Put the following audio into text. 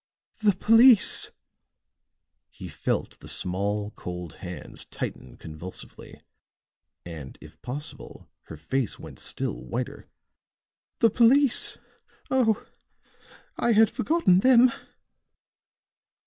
"The police!" He felt the small, cold hands tighten convulsively, and, if possible, her face went still whiter. "The police! Oh! I had forgotten them."